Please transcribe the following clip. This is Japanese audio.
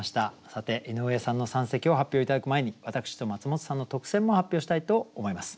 さて井上さんの三席を発表頂く前に私とマツモトさんの特選も発表したいと思います。